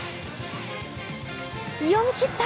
読み切った！